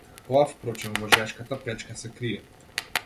Тоа впрочем во жешката печка се крие.